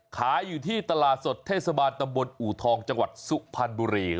ขายอยู่ที่ตลาดสดเทศบาลตำบลอูทองจังหวัดสุพรรณบุรี